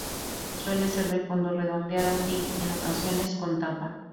Suele ser de fondo redondeado y, en ocasiones, con tapa.